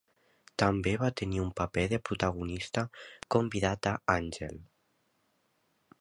També va tenir un paper de protagonista convidat a "Angel".